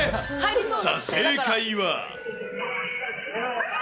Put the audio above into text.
さあ、正解は。